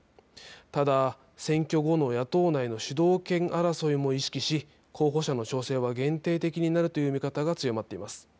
ただ選挙後の野党内の主導権争いも意識し候補者の調整は限定的になるという見方が強まっています。